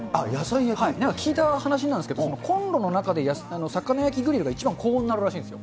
聞いた話なんですけど、コンロの中で魚焼きグリルが一番高温になるらしいんですよ。